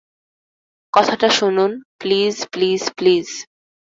কথাটা শুনুন, please, please, please.